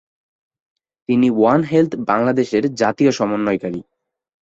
তিনি one health বাংলাদেশের জাতীয় সমন্বয়কারী।